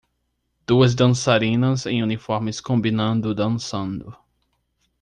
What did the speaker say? Duas dançarinas em uniformes combinando dançando.